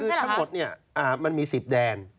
คือทั้งหมดเนี่ยมันมี๑๐แดน